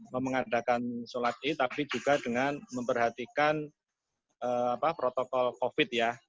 memengadakan salat idul adha tapi juga dengan memperhatikan protokol covid sembilan belas ya